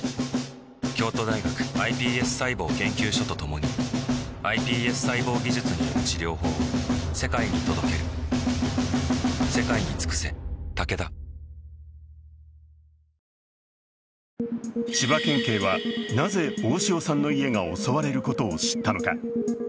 京都大学ｉＰＳ細胞研究所と共にｉＰＳ細胞技術による治療法を世界に届ける千葉県警はなぜ大塩さんの家が襲われることを知ったのか。